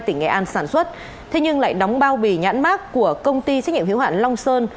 tỉnh nghệ an sản xuất thế nhưng lại đóng bao bì nhãn mát của công ty trách nhiệm hiếu hạn long sơn